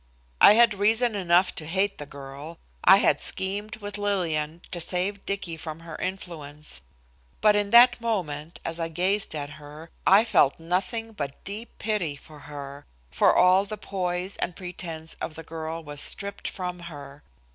I had reason enough to hate the girl, I had schemed with Lillian to save Dicky from her influence, but in that moment, as I gazed at her, I felt nothing but deep pity for her. For all the poise and pretence of the girl was stripped from her.